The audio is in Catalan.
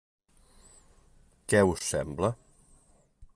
Què us sembla?